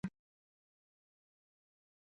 د کوکنارو پوټکی د څه لپاره وکاروم؟